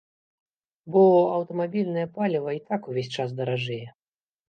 Бо аўтамабільнае паліва і так увесь час даражэе!